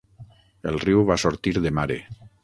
El riu va sortir de mare.